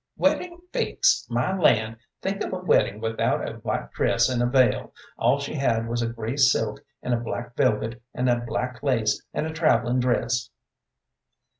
Weddin' fix! My land! Think of a weddin' without a white dress and a veil! All she had was a gray silk and a black velvet, and a black lace, and a travellin' dress!"